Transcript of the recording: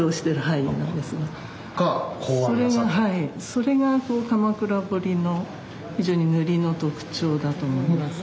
それが鎌倉彫の塗りの特徴だと思います。